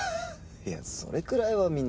いやそれくらいはみんな。